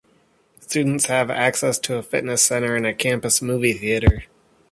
Students have access to a fitness center and a campus movie theater.